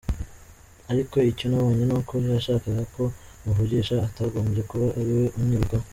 Ariko icyo nabonye ni uko yashakaga ko muvugisha atagombye kuba ari we unyirukaho.